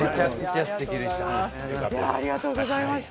ありがとうございます。